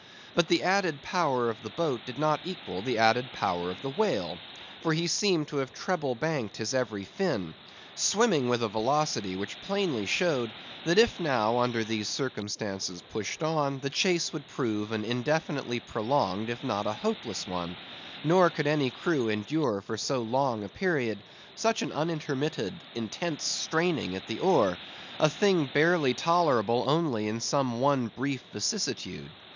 But the added power of the boat did not equal the added power of the whale, for he seemed to have treble banked his every fin; swimming with a velocity which plainly showed, that if now, under these circumstances, pushed on, the chase would prove an indefinitely prolonged, if not a hopeless one; nor could any crew endure for so long a period, such an unintermitted, intense straining at the oar; a thing barely tolerable only in some one brief vicissitude.